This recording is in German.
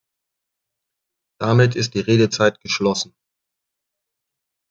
Damit ist die Redezeit geschlossen.